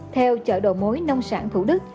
theo chợ đồ mối nông sản thủ đức